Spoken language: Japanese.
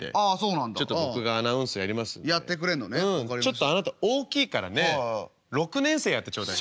ちょっとあなた大きいからね６年生やってちょうだい。